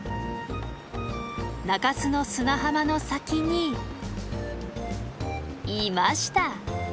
中州の砂浜の先にいました。